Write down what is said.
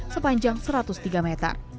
sepanjang satu ratus tiga meter